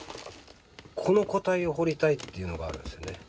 この個体を彫りたいっていうのがあるんですよね。